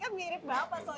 kan mirip bapak soalnya